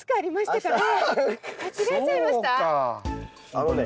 あのね